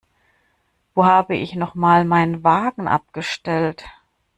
Wo habe ich noch mal meinen Wagen abgestellt?